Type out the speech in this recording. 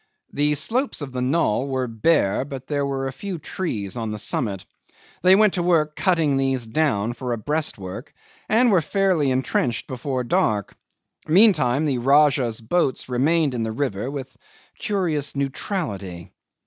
The slopes of the knoll were bare, but there were a few trees on the summit. They went to work cutting these down for a breastwork, and were fairly intrenched before dark; meantime the Rajah's boats remained in the river with curious neutrality.